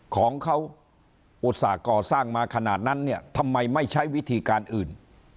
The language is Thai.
ของเขาอุตส่าห์ก่อสร้างมาขนาดนั้นเนี่ยทำไมไม่ใช้วิธีการอื่น